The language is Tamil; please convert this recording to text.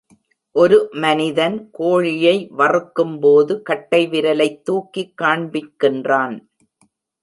ஒரு மனிதன் கோழியை வறுக்கும்போது கட்டைவிரலைத் தூக்கிக் காண்பிக்கின்றான்.